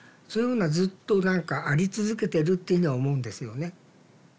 そういうものはずっと何かあり続けてるっていうのは思うんですよね。